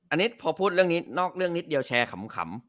อันนี้พอพูดเรื่องนี้นอกเรื่องนิดเดียวแชร์ขำ